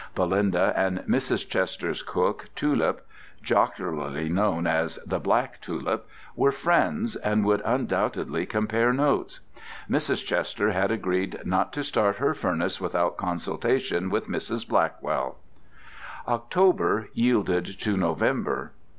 Belinda and Mrs. Chester's cook, Tulip—jocularly known as the Black Tulip—were friends, and would undoubtedly compare notes. Mrs. Chester had agreed not to start her furnace without consultation with Mrs. Blackwell. October yielded to November.